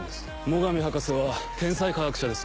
最上博士は天才科学者です。